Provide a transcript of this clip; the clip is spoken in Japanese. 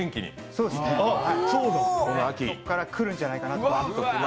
そこからくるんじゃないかな。